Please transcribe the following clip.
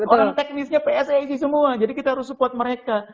orang teknisnya pssi semua jadi kita harus support mereka